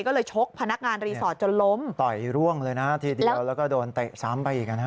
ก็เลยชกพนักงานรีสอร์ทจนล้มต่อยร่วงเลยนะทีเดียวแล้วก็โดนเตะซ้ำไปอีกนะฮะ